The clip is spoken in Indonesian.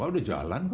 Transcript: oh udah jalan